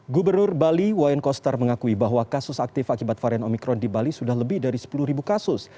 gubernur bali wayan koster mengakui bahwa kasus aktif akibat varian omikron di bali sudah lebih dari sepuluh kasus